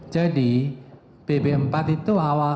jadi bb empat itu